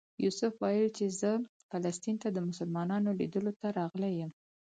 یوسف ویل چې زه فلسطین ته د مسلمانانو لیدلو ته راغلی یم.